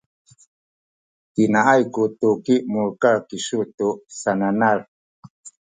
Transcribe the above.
pinaay ku tuki mulekal kisu tu sananal?